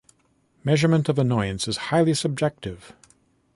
Measurement of annoyance is highly subjective.